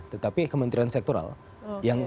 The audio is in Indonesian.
tetapi kementerian sektoral yang